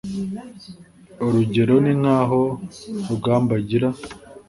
urugero ni nk'aho rugamba agira